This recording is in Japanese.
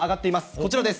こちらです。